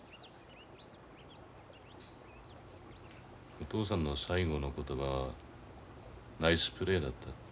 お父さんの最後の言葉「ナイスプレー」だったって？